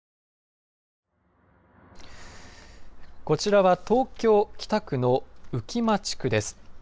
こちらは東京、北区の浮間地区です。